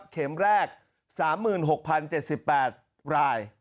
เข็มแรก๓๖๐๗๘ราย